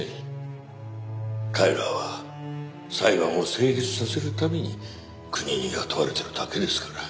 彼らは裁判を成立させるために国に雇われてるだけですから。